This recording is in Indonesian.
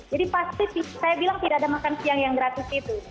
jadi pasti saya bilang tidak ada makan siang yang gratis itu